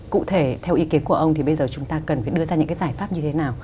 cụ thể theo ý kiến của ông thì bây giờ chúng ta cần phải đưa ra những cái giải pháp như thế nào